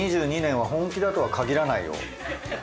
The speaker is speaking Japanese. ２０２２年は本気だとはかぎらないよ。